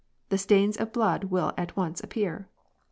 The stains of blood will at once appear."